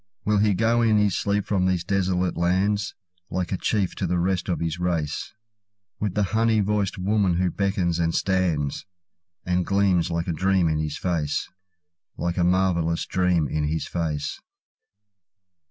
Will he go in his sleep from these desolate lands, Like a chief, to the rest of his race, With the honey voiced woman who beckons and stands, And gleams like a dream in his face—Like a marvellous dream in his face?